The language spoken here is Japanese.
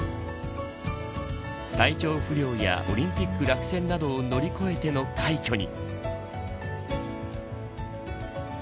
体調不良やオリンピック落選などを乗り越えての快挙に。